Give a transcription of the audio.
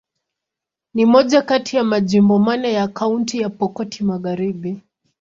Ni moja kati ya majimbo manne ya Kaunti ya Pokot Magharibi.